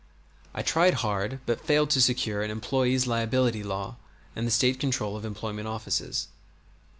I tried hard but failed to secure an employers' liability law and the state control of employment offices.